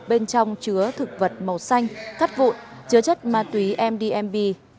bên trong chứa thực vật màu xanh cắt vụn chứa chất ma túy mdmb